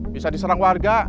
bisa diserang warga